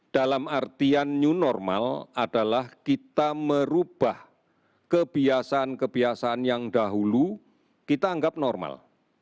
dalam artian new normal adalah kita merubah kebiasaan kebiasaan yang dahulu kita anggap normal